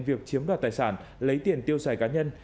việc chiếm đoạt tài sản lấy tiền tiêu xài cá nhân